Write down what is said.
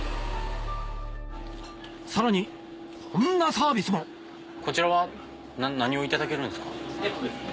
さらにこんなサービスもこちらは何をいただけるんですか？